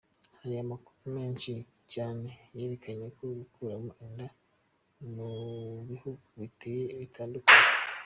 Hari amakuru menshi cyane yerekeranye no gukuramo inda mu bihugu bigeye bitandukanye.